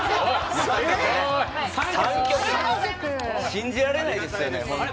信じられないですよねホント。